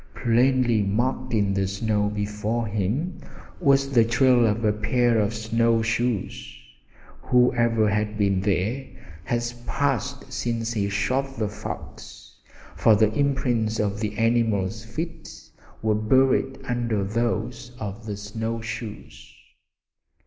Plainly marked in the snow before him was the trail of a pair of snow shoes! Whoever had been there had passed since he shot the fox, for the imprints of the animal's feet were buried under those of the snow shoes.